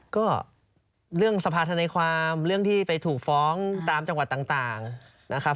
ก็เรื่องสภาธนาความเรื่องที่ไปถูกฟ้องตามจังหวัดต่างนะครับ